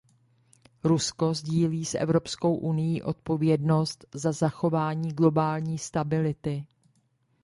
Rusko sdílí s Evropskou unií odpovědnost za zachování globální stability.